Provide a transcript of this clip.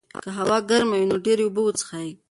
که هوا ګرمه وي، نو ډېرې اوبه وڅښئ.